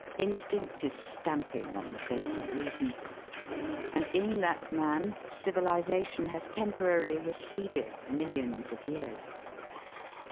Instinct is stamping on the face of reason. And in that man civilisation has temporarily receded millions of years.